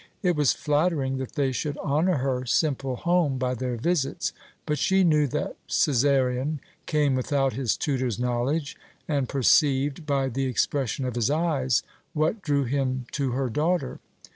It was flattering that they should honour her simple home by their visits, but she knew that Cæsarion came without his tutor's knowledge, and perceived, by the expression of his eyes, what drew him to her daughter.